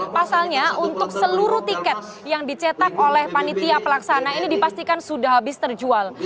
pasalnya untuk seluruh tiket yang dicetak oleh panitia pelaksana ini dipastikan sudah habis terjual